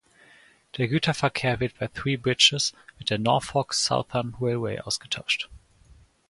Der Güterverkehr wird bei Three Bridges mit der Norfolk Southern Railway ausgetauscht.